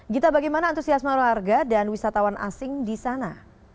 gita bagaimana antusias warga dan wisatawan asing disana